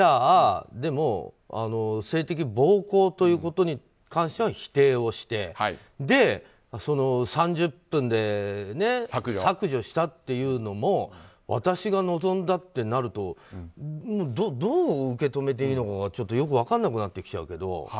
でも性的暴行ということに関しては否定をして３０分で削除したっていうのも私が望んだってなるとどう受け止めていいのかがちょっとよく分からなくなってきちゃうけど。